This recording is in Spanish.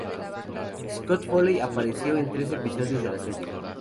Scott Foley apareció en tres episodios de la serie.